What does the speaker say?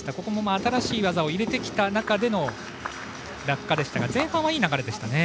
新しい技を入れた中での落下でしたが前半はいい流れでしたね。